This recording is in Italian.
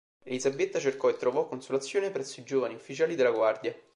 Elisabetta cercò e trovò consolazione presso i giovani ufficiali della Guardia.